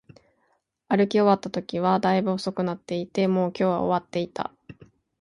歩き終わったときは、大分遅くなっていて、もう今日は終わっていた